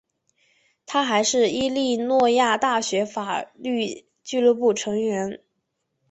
他还是伊利诺伊大学法律俱乐部成员。